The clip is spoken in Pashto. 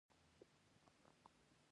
د دغو بهیرونو له خوا مفاهیمو بیا کتنه وشي.